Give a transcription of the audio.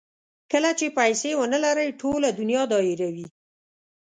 کله چې پیسې ونلرئ ټوله دنیا دا هیروي.